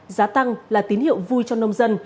giá tăng là tín hiệu vui cho nông dân